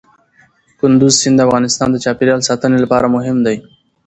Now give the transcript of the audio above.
کندز سیند د افغانستان د چاپیریال ساتنې لپاره مهم دی.